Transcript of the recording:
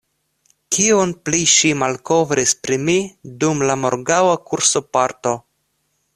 Kion pli ŝi malkovris pri mi dum la morgaŭa kursoparto?